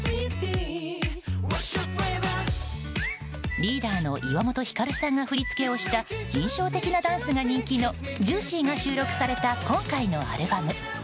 リーダーの岩本照さんが振り付けをした印象的なダンスが人気の「ＪＵＩＣＹ」が収録された今回のアルバム。